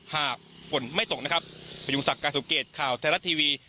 หากฝนไม่ตกนะครับพยุงศักดิ์การสมเกตข่าวไทยรัฐทีวี